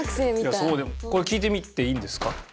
これ聴いてみていいんですか？